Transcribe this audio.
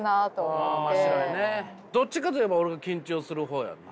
どっちかといえば俺は緊張する方やんな。